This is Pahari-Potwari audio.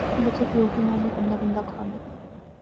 بچے پیو کی مارنے۔۔۔ بندہ بندہ کھانا